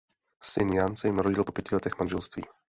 Syn Jan se jim narodil po pěti letech manželství.